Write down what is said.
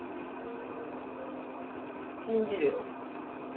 信じるよ。